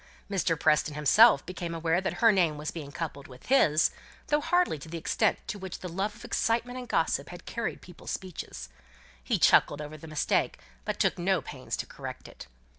Mr. Preston himself became aware that her name was being coupled with his, though hardly to the extent to which the love of excitement and gossip had carried people's speeches; he chuckled over the mistake, but took no pains to correct it.